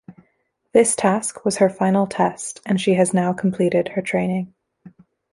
This task was her final test and she has now completed her training.